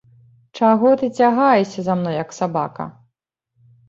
Чаго ты цягаешся за мной, як сабака?